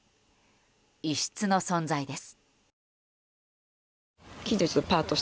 異質の存在です。